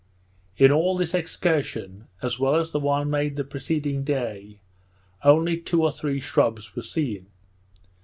In all this excursion, as well as the one made the preceding day, only two or three shrubs were seen.